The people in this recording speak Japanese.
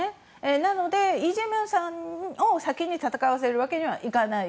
なのでイ・ジェミョンさんを先に戦わせるわけにはいかない。